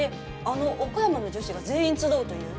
あの岡山の女子が全員集うという？